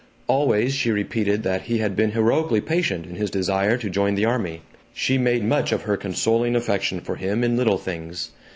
Always she repeated that he had been heroically patient in his desire to join the army. She made much of her consoling affection for him in little things.